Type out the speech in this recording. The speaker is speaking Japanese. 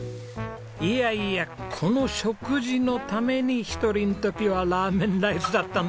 いやいやこの食事のために１人の時はラーメンライスだったんだもんね。